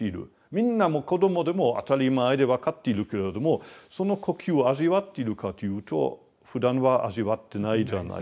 みんなもう子どもでも当たり前で分かっているけれどもその呼吸を味わっているかというとふだんは味わってないじゃないですか。